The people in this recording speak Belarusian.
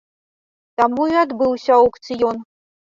Таму і адбыўся аўкцыён.